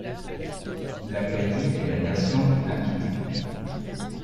L'Acadie est la nation invitée.